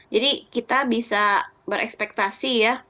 jadi kita bisa berekspektasi ya